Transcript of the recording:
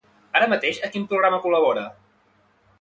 Ara mateix a quin programa col·labora?